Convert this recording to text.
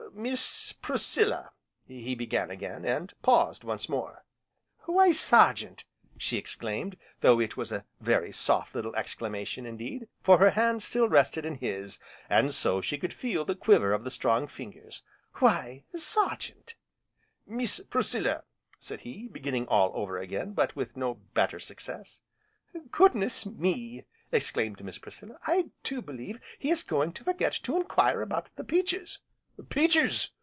"Miss Priscilla," he began again, and paused once more. "Why Sergeant!" she exclaimed, though it was a very soft little exclamation indeed, for her hand still rested in his, and so she could feel the quiver of the strong fingers, "why Sergeant!" "Miss Priscilla, " said he, beginning all over again, but with no better success. "Goodness me!" exclaimed Miss Priscilla, "I do believe he is going to forget to enquire about the peaches!" "Peaches!"